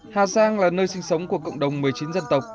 hà giang là nơi sinh sống của cộng đồng một mươi chín dân tộc